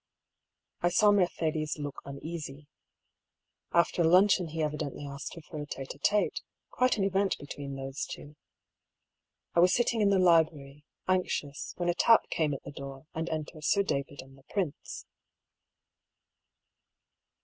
I saw Mercedes look uneasy. After luncheon he evidently asked her for a tete d tStey quite an event be tween those two. I was sitting in the library, anxious, when a tap came at the door, and enter Sir David and the prince.